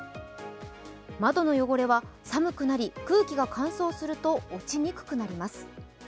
窓の汚れは寒くなり空気が乾燥すると落ちにくくなります。